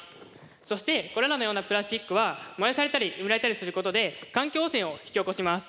そしてこれらのようなプラスチックは燃やされたり埋められたりすることで環境汚染を引き起こします。